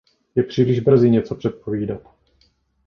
Je příliš brzy něco předpovídat.